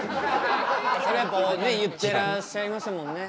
それ言ってらっしゃいましたもんね。